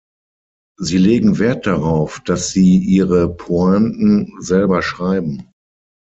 Sie legen wert darauf, dass sie ihre Pointen selber schreiben.